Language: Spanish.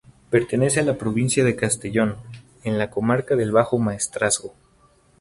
Pertenece a la provincia de Castellón, en la comarca del Bajo Maestrazgo.